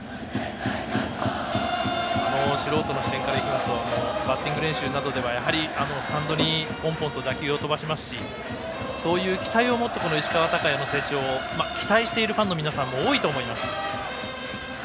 素人の目線からいきますとバッティング練習などではスタンドにポンポンと打球を飛ばしますしそういう期待を持って石川昂弥の成長を期待しているファンの皆さんも多いと思います。